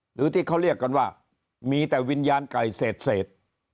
หรือที่เขาเรียกกันว่ามีแต่วิญญาณไก่เศษ